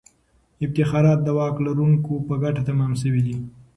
افتخارات د واک لرونکو په ګټه تمام سوي دي.